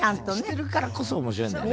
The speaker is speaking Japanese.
してるからこそ面白いんだよね。